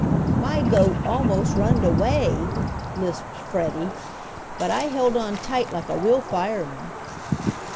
"My goat almost runned away!" lisped Freddie. "But I held on tight like a real fireman."